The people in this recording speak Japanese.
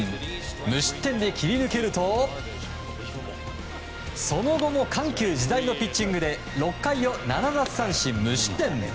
無失点で切り抜けるとその後も緩急自在のピッチングで６回を７奪三振、無失点。